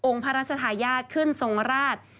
องค์พระราชทายาตขึ้นส่งราช